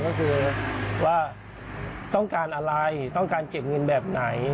ก็คือว่าต้องการอะไรต้องการเก็บเงินแบบไหน